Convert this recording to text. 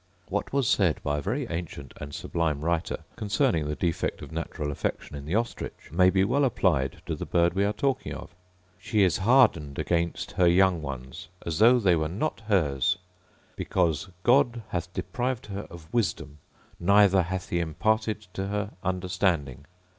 What was said by a very ancient and sublime writer concerning the defect of natural affection in the ostrich, may be well applied to the bird we are talking of: 'She is hardened against her young ones, as though they were not hers: Because God hath deprived her of wisdom, neither hath he imparted to her understanding.